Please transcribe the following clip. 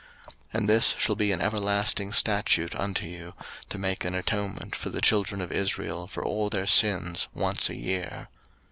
03:016:034 And this shall be an everlasting statute unto you, to make an atonement for the children of Israel for all their sins once a year.